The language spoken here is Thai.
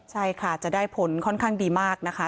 ใช่ค่ะจะได้ผลค่อนข้างดีมากนะคะ